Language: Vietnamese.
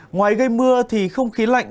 ngoài gây mưa thì không khí lạnh